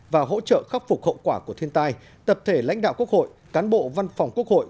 và hỗ trợ khắc phục hậu quả của thiên tai tập thể lãnh đạo quốc hội cán bộ văn phòng quốc hội